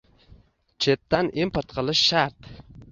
Chetdan import qilish shart.